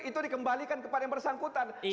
itu dikembalikan kepada yang bersangkutan